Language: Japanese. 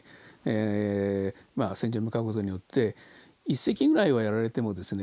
戦場に向かう事によって１隻ぐらいはやられてもですね